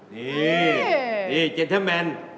นี่เจ้าหญิง